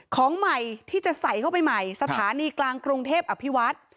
ของใหม่ที่จะใส่เข้าไปใหม่สถานีกลางกรุงเทพอภิวัฒน์